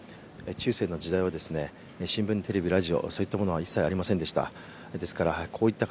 中世の時代は新聞、テレビ、ラジオそういったものは一切ありませんでした。